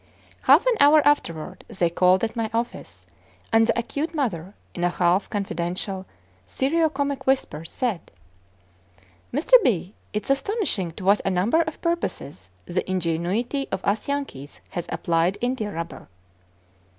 Half an hour afterward, they called at my office, and the acute mother, in a half confidential, serio comic whisper, said: "Mr. B., it's astonishing to what a number of purposes the ingenuity of us Yankees has applied india rubber."